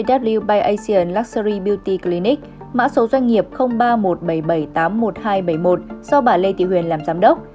jw by asian luxury beauty clinic mã số doanh nghiệp ba một bảy bảy tám một hai bảy một do bà lê thị huyền làm giám đốc